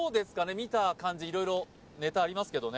見た感じ色々ネタありますけどね